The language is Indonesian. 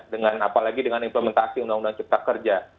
dengan apalagi dengan implementasi undang undang cipta kerja